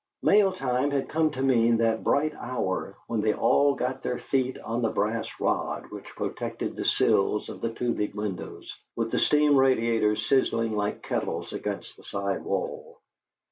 Mail time had come to mean that bright hour when they all got their feet on the brass rod which protected the sills of the two big windows, with the steam radiators sizzling like kettles against the side wall.